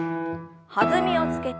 弾みをつけて２度。